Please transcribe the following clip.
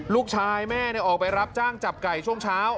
ลูกชายแม่ออกไปรับจ้างจับไก่ช่วงเช้า